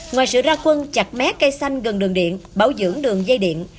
ngoài sự ra quân chặt mé xanh gần đường điện bảo dưỡng đường dây điện